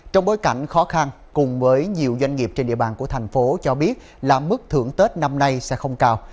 trong bối cảnh khó khăn cùng với nhiều doanh nghiệp trên địa bàn của thành phố cho biết là mức thưởng tết năm nay sẽ không cao